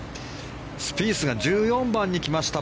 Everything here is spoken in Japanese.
スピースが１４番に来ました